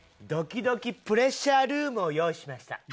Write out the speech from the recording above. ドキドキプレッシャールームを用意しました。